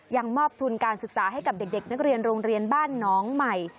มอบทุนการศึกษาให้กับเด็กนักเรียนโรงเรียนบ้านน้องใหม่